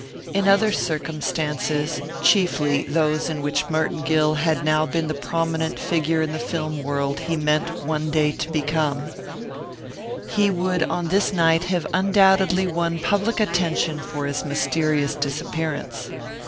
In other circumstances chiefly those in which Merton Gill had now been the prominent figure in the film world he meant one day to become he would on this night have undoubtedly won public attention for his mysterious disappearance.